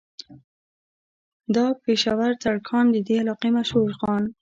دا پېشه ور ترکاڼ د دې علاقې مشهور خان